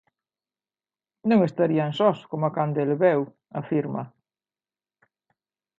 Non estarían sós como cando el veu; afirma.